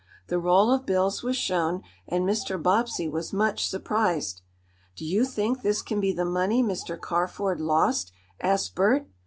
The roll of bills was shown, and Mr. Bobbsey was much surprised. "Do you think this can be the money Mr. Carford lost?" asked Bert.